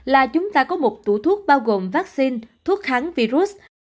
là chúng ta có một tủ thuốc bao gồm vaccine thuốc kháng virus